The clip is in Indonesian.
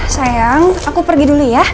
sayang aku pergi dulu ya